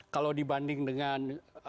kalau dibanding dengan